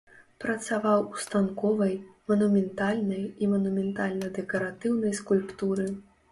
Працаваў у станковай, манументальнай і манументальна-дэкаратыўнай скульптуры.